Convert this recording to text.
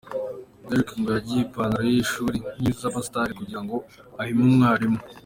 Derick ngo yagize ipantalo ye y’ishuri nk’izaba star kugirango ahime umwarimu.